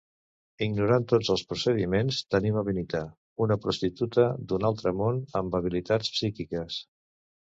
Ignorant tots els procediments tenim a Benita, una prostituta d'una altre món amb habilitats psíquiques.